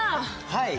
はい。